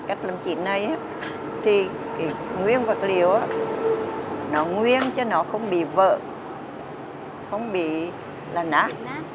cách làm chín này thì cái nguyên vật liệu nó nguyên cho nó không bị vỡ không bị là nát